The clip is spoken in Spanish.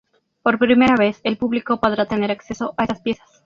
Por primera vez el público podrá tener acceso a estas piezas.